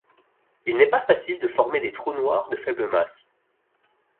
Il n'est pas facile de former des trous noirs de faible masse.